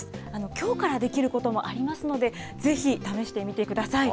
きょうからできることもありますので、ぜひ、試してみてください。